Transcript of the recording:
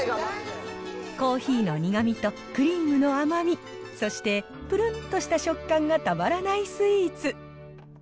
コーヒーの苦みとクリームの甘み、そしてぷるんとした食感がたまらないスイーツ。